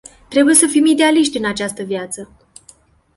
Trebuie să fim idealiști în această viață.